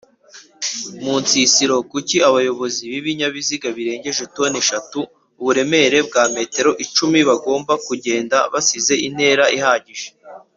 Munsisiro kuki abayobozi bibinyabiziga birengeje toni eshatu uburebure bwa metero icumi bagomba kugenda basize intera ihagije